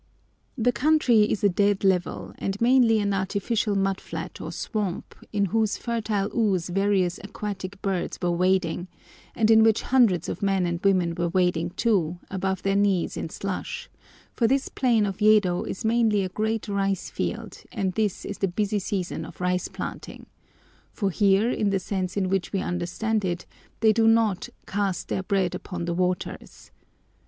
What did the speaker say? The country is a dead level, and mainly an artificial mud flat or swamp, in whose fertile ooze various aquatic birds were wading, and in which hundreds of men and women were wading too, above their knees in slush; for this plain of Yedo is mainly a great rice field, and this is the busy season of rice planting; for here, in the sense in which we understand it, they do not "cast their bread upon the waters."